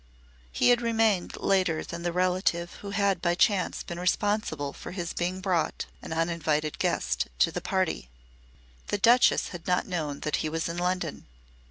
He had remained later than the relative who had by chance been responsible for his being brought, an uninvited guest, to the party. The Duchess had not known that he was in London.